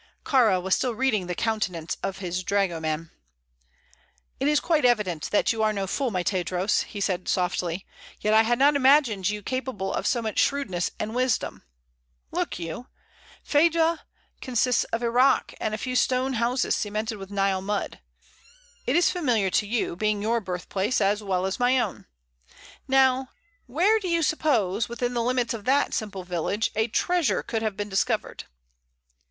Kāra was still reading the countenance of his dragoman. "It is quite evident that you are no fool, my Tadros," he said, softly; "yet I had not imagined you capable of so much shrewdness and wisdom. Look you! Fedah consists of a rock and a few stone houses cemented with Nile mud. It is familiar to you, being your birthplace as well as my own. Now where do you suppose, within the limits of that simple village, a treasure could have been discovered?"